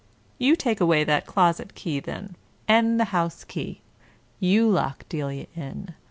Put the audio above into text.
You take away that closet key then, and the house key. You lock Delia in.